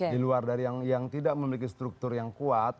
di luar dari yang tidak memiliki struktur yang kuat